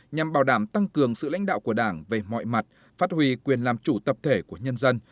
nhằm bảo đảm tăng cường sự lãnh đạo của đảng về mọi mặt phát huy quyền làm chủ tập thể của nhân dân